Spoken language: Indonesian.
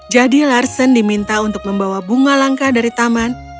jadi larson diminta untuk membawa bunga langka dari taman